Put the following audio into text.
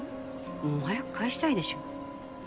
もう早く返したいでしょ。